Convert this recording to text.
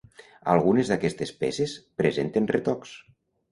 Algunes d’aquestes peces presenten retocs.